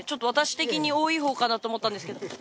私的に多いほうかなと思ったんですけど。